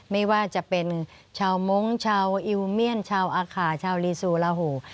ไม่ว่าจะเป็นชาวมงค์ชาวอิลเมียนชาวอาคาชาวลีซูลาหู